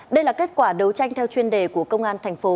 đây là kết quả đấu tranh theo chuyên đề của công an thành phố